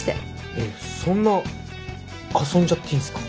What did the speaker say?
えっそんな遊んじゃっていいんすか？